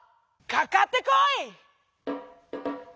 かかってこい！